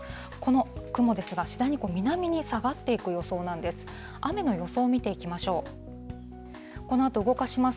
この雲ですが、次第にこれ、南に下がっていく予想なんです。